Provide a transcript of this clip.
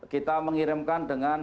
kita mengirimkan dengan